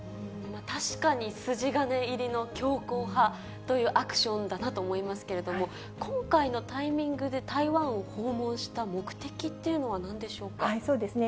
確かに筋金入りの強硬派というアクションだなと思いますけれども、今回のタイミングで台湾を訪問した目的っていうのはなんでしょうそうですね。